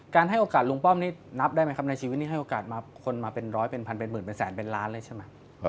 ให้โอกาสลุงป้อมนี่นับได้ไหมครับในชีวิตนี้ให้โอกาสมาคนมาเป็นร้อยเป็นพันเป็นหมื่นเป็นแสนเป็นล้านเลยใช่ไหม